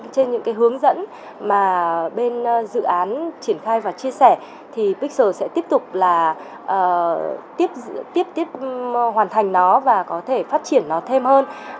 trên những hướng dẫn mà bên dự án triển khai và chia sẻ thì pix sở sẽ tiếp tục là tiếp tiếp hoàn thành nó và có thể phát triển nó thêm hơn